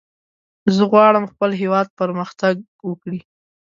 زه غواړم خپل هېواد پرمختګ وکړي.